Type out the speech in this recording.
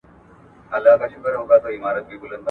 هغې په خپلو شونډو یو پټ او مانا لرونکی راز درلود.